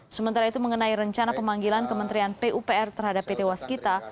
sementara itu mengenai rencana pemanggilan kementerian pupr terhadap pt waskita